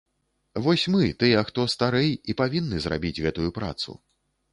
Вось мы, тыя, хто старэй, і павінны зрабіць гэтую працу.